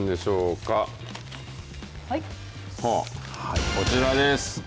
はあ、こちらです。